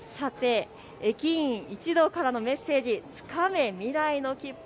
駅員一同からのメッセージ、つかめ、未来のきっぷ。